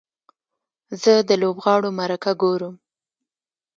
زه د لوبغاړو مرکه ګورم.